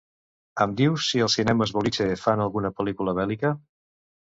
Em dius si als Cinemes Boliche fan alguna pel·lícula bèl·lica?